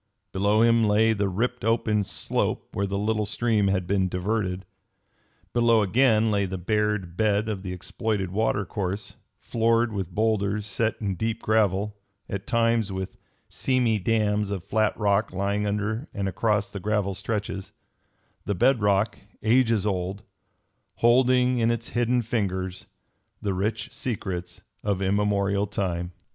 Below him lay the ripped open slope where the little stream had been diverted. Below again lay the bared bed of the exploited water course, floored with bowlders set in deep gravel, at times with seamy dams of flat rock lying under and across the gravel stretches; the bed rock, ages old, holding in its hidden fingers the rich secrets of immemorial time.